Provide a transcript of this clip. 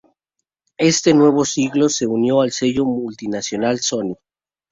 En este nuevo siglo, se unió al sello multinacional Sony.